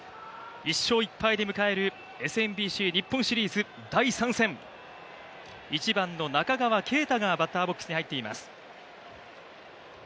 １勝１敗で迎えるＳＭＢＣ日本シリーズ第３戦１番の中川圭太がバッターボックスに入っています。